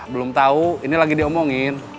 belum tahu ini lagi diomongin